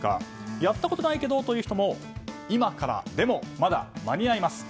やったことないけどという人も今からでもまだ間に合います。